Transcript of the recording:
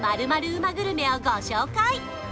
うまグルメをご紹介